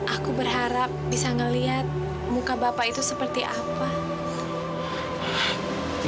aku berharap bisa melihat muka bapak itu seperti apa